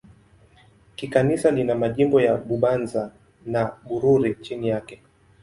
Kikanisa lina majimbo ya Bubanza na Bururi chini yake.